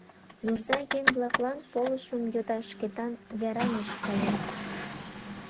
Нужна еҥ-влаклан полышым йодаш Шкетан Яраҥыш кая.